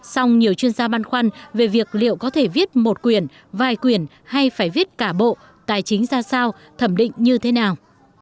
song nhiều chuyên gia băn khoăn về việc liệu có thể viết một quyền vài quyển hay phải viết cả bộ tài chính ra sao thẩm định như thế nào